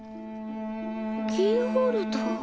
キーホルダー。